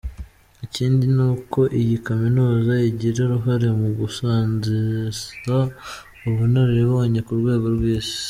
Ikindi ni uko iyi kaminuza igira uruhare mu gusanziza ubunararibonye ku rwego rw’Isi.